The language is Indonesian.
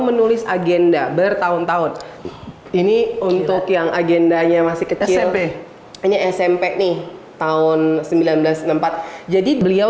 menulis agenda bertahun tahun ini untuk yang agendanya masih kecil smp hanya smp nih tahun seribu sembilan ratus enam puluh empat jadi beliau